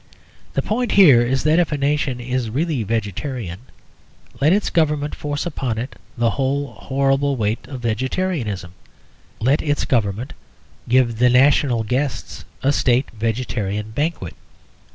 The point here is that if a nation is really vegetarian let its government force upon it the whole horrible weight of vegetarianism. Let its government give the national guests a State vegetarian banquet.